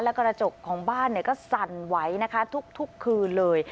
และกระจกของบ้านก็สั่นไหวนะคะทุกคืนเลย